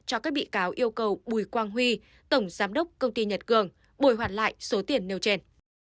cho các bị cáo yêu cầu bùi quang huy tổng giám đốc công ty nhật cường bồi hoàn lại số tiền nêu trên